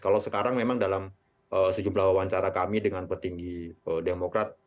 kalau sekarang memang dalam sejumlah wawancara kami dengan petinggi demokrat